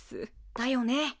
だよね。